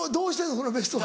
そのベスト５を。